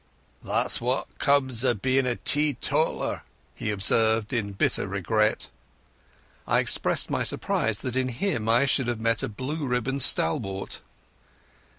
"That's what comes o' bein' a teetotaller," he observed in bitter regret. I expressed my surprise that in him I should have met a blue ribbon stalwart.